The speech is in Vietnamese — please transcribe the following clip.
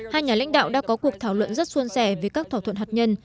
hai nhà lãnh đạo đã có cuộc thảo luận rất xuân sẻ về các thỏa thuận hạt nhân